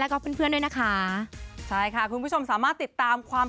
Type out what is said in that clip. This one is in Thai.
แล้วก็เพื่อนเพื่อนด้วยนะคะใช่ค่ะคุณผู้ชมสามารถติดตามความ